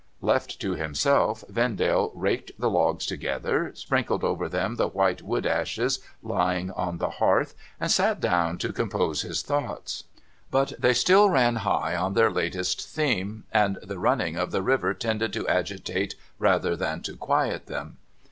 Left to himself, Vendale raked the logs together, sprinkled over them the white wood ashes lying on the hearth, and sat down to compose his thoughts. But they still ran high on their latest theme, and the running of the river tended to agitate rather than to quiet them.